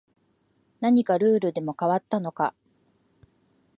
何かルールでも変わったのか